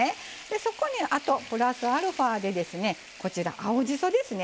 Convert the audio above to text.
そこにあとプラスアルファでですねこちら青じそですね